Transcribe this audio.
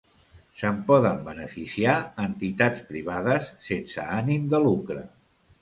Se'n poden beneficiar entitats privades sense ànim de lucre.